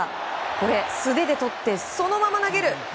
これ、素手でとってそのまま投げる。